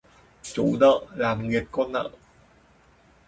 Chủ nợ làm nghiệt con nợ